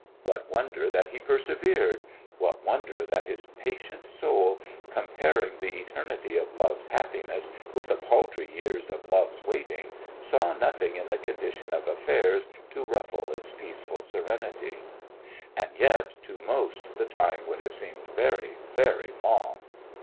What wonder that he persevered? What wonder that his patient soul, comparing the eternity of love's happiness with the paltry years of love's waiting, saw nothing in the condition of affairs to ruffle its peaceful serenity? And yet to most the time would have seemed very, very long.